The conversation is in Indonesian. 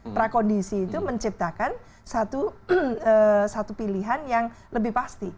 prakondisi itu menciptakan satu pilihan yang lebih pasti